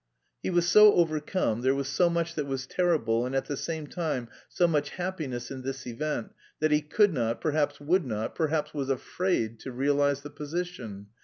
He was so overcome, there was so much that was terrible and at the same time so much happiness in this event that he could not, perhaps would not perhaps was afraid to realise the position.